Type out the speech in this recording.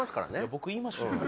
僕言いましたよ。